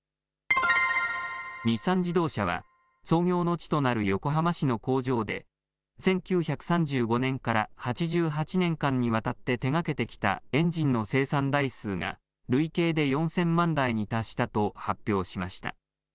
日産自動車は、創業の地となる横浜市の工場で、１９３５年から８８年間にわたって手がけてきたエンジンの生産台数が、累計で４０００万台に達したと発表しました。